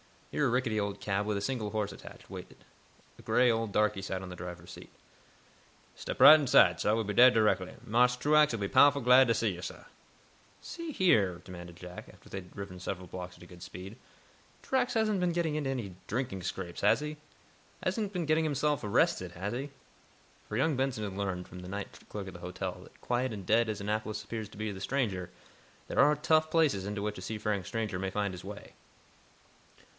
Here a rickety old cab with a single horse attached, waited. A gray old darkey sat on the driver's seat. "Step right inside, sah. We'll be dere direckly. Marse Truax'll be powahful glad to see yo', sah." "See here," demanded Jack, after they had driven several blocks at a good speed, "Truax hasn't been getting into any drinking scrapes, has he? Hasn't been getting himself arrested, has he?" For young Benson had learned, from the night clerk at the hotel, that, quiet and "dead" as Annapolis appears to the stranger, there are "tough" places into which a seafaring stranger may find his way.